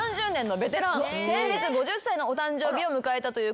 先日５０歳のお誕生日を迎えたというこの方です。